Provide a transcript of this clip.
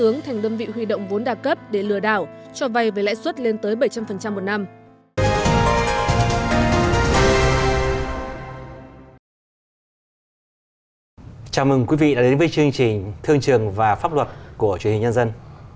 chào mừng quý vị đến với chương trình thương trường và pháp luật của chủ nhật nhân dân